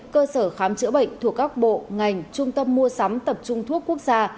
cơ sở khám chữa bệnh thuộc các bộ ngành trung tâm mua sắm tập trung thuốc quốc gia